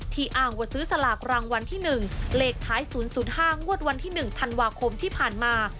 อ้างว่าซื้อสลากรางวัลที่๑เลขท้าย๐๐๕งวดวันที่๑ธันวาคมที่ผ่านมา